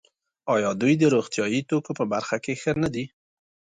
آیا دوی د روغتیايي توکو په برخه کې ښه نه دي؟